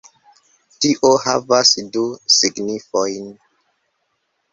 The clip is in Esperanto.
Tio havas du signifojn